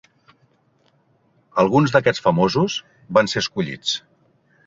Alguns d'aquests famosos van ser escollits.